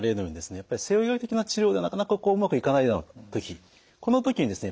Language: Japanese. やっぱり西洋医学的な治療ではなかなかこううまくいかないような時この時にですね